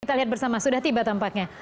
kita lihat bersama sudah tiba tampaknya